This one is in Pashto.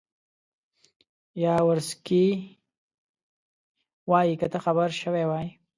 یاورسکي وایي که ته خبر شوی وای.